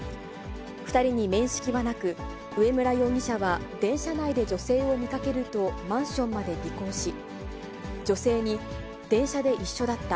２人に面識はなく、上村容疑者は電車内で女性を見かけると、マンションまで尾行し、女性に電車で一緒だった。